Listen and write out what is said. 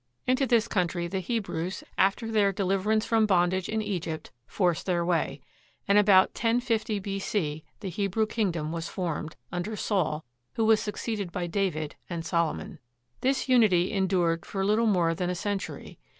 Into this country the Hebrews, after their deliverance from bon.dage in Egypt, forced their way; and about 1050 B.C. the Hebrew kingdom was formed, under Saul, who was succeeded by David and Solomon. This unity endured for little more than a century.